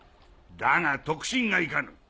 だが得心がいかぬ。